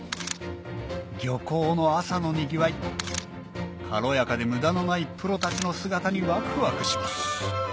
漁港の朝のにぎわい軽やかで無駄のないプロたちの姿にワクワクします